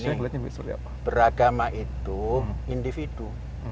sebenarnya beragama itu individu